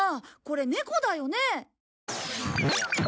これ猫だよね？